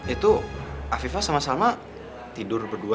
itu afifah sama sama tidur berdua